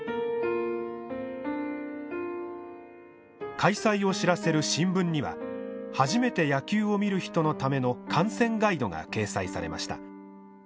開催を知らせる新聞には初めて野球を見る人のための観戦ガイドが掲載されました。